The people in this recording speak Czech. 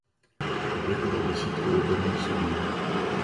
Publikoval desítky odborných studií.